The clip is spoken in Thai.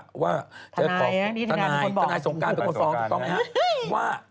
ทนายทนายสงกรรณ์บอกว่า